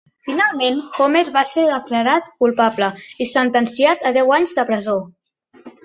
Finalment, Homer va ser declarat culpable i sentenciat a deu anys de presó.